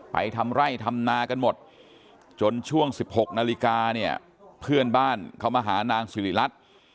ทำไร่ทำนากันหมดจนช่วง๑๖นาฬิกาเนี่ยเพื่อนบ้านเขามาหานางสิริรัตน์